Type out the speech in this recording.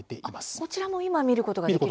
こちらも今見ることができるんですね。